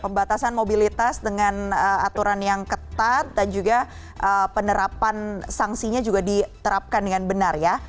pembatasan mobilitas dengan aturan yang ketat dan juga penerapan sanksinya juga diterapkan dengan benar ya